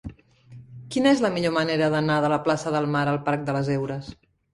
Quina és la millor manera d'anar de la plaça del Mar al parc de les Heures?